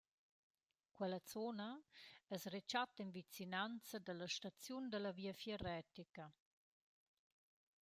Quella zona as rechatta in vicinanza da la staziun da la Viafier Retica.